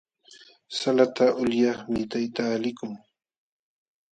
Salata ulyaqmi tayta likun.